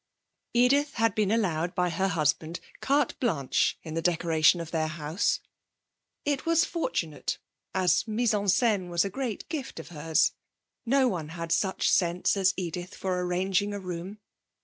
Edith had been allowed by her husband carte blanche in the decoration of their house. This was fortunate, as mise en scène was a great gift of hers; no one had such a sense as Edith for arranging a room.